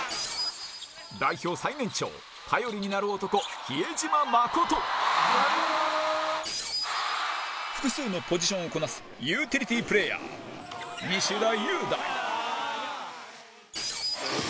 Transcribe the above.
代表最年長頼りになる男、比江島慎複数のポジションをこなすユーティリティープレーヤー西田優大